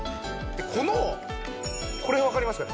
このこれわかりますかね？